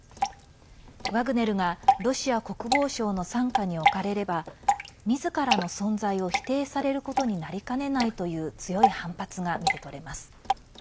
ワグネルが国防省の傘下に置かれればみずからの存在を否定されることになりかねないという強い反発が見て取れます。